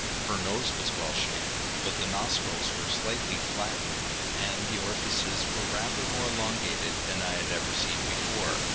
Her nose was well shaped, but the nostrils were slightly flattened, and the orifices were rather more elongated than I had ever seen before.